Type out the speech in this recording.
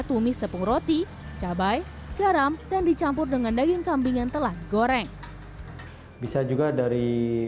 tumis tepung roti cabai garam dan dicampur dengan daging kambing yang telah digoreng bisa juga dari